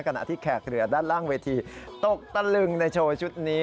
ขณะที่แขกเรือด้านล่างเวทีตกตะลึงในโชว์ชุดนี้